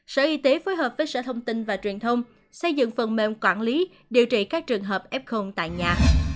sở y tế phối hợp với sở thông tin và truyền thông xây dựng phần mềm quản lý điều trị các trường hợp f tại nhà